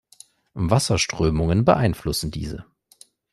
Wasserströmungen beeinflussen diese.